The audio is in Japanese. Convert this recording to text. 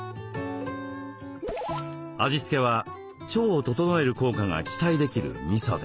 味付けは腸を整える効果が期待できるみそで。